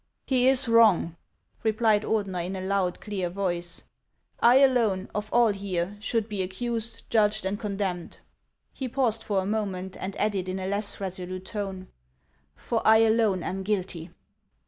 " He is wrong," replied Ordener, in a loud, clear voice ;" I alone of all here should be accused, judged, and con demned." He paused a moment, and added in a less resolute tone, " For I alone am guilty."